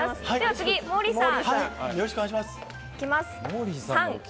次、モーリーさん。